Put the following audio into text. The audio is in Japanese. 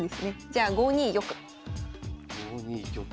じゃあ５二玉。